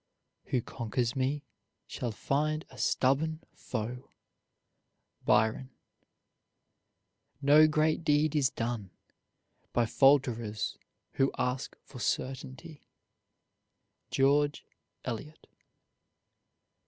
Who conquers me, shall find a stubborn foe. BYRON. No great deed is done By falterers who ask for certainty. GEORGE ELIOT.